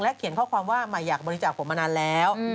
เขียนข้อความว่าใหม่อยากบริจาคผมมานานแล้ว